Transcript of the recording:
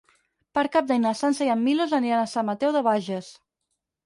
Per Cap d'Any na Sança i en Milos aniran a Sant Mateu de Bages.